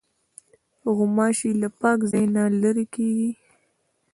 غوماشې له پاک ځای نه لیري کېږي.